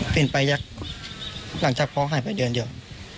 เป็นหยากหากหายไปเดือนเดี๋ยว